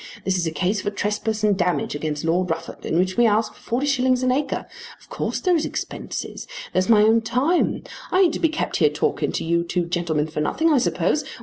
This is a case for trespass and damage against Lord Rufford in which we ask for 40_s._ an acre. Of course there is expenses. There's my own time. I ain't to be kept here talking to you two gentlemen for nothing, I suppose.